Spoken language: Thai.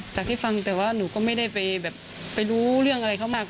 ที่ฟังแต่ว่าหนูก็ไม่ได้ไปแบบไปรู้เรื่องอะไรเขามาก